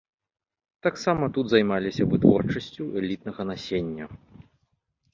Таксама тут займаліся вытворчасцю элітнага насення.